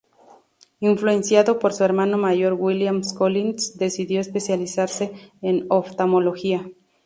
Influenciado por su hermano mayor William Collins, decidió especializarse en oftalmología.